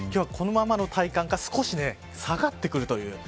今日はこのままの体感か少し下がってくるという。